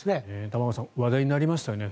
玉川さん話題になりましたよね。